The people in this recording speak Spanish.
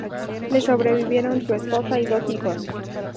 Le sobrevivieron su esposa y dos hijos.